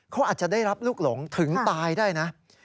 เขาอาจจะได้รับลูกหลงถึงตายได้นะ